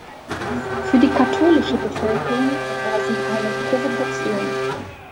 Für die katholische Bevölkerung war sie eine Provokation.